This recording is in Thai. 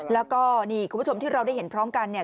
แล้วก็นี่คุณผู้ชมที่เราได้เห็นพร้อมกันเนี่ย